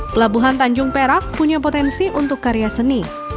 pelabuhan tanjung perak memiliki potensi untuk mencari obyek lukisan yang indah